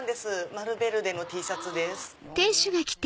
マルベルデのＴシャツです。